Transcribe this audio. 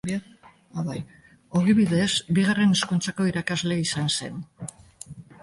Ogibidez Bigarren Hezkuntzako irakasle izan zen.